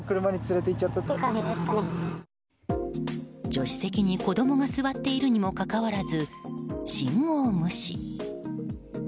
助手席に子供が座っているにもかかわらず、信号無視。